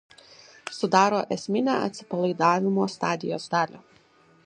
Sudaro esminę atsipalaidavimo stadijos dalį.